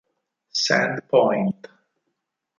Sand Point